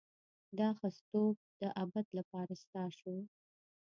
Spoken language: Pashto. دا ښځتوب د ابد لپاره ستا شو.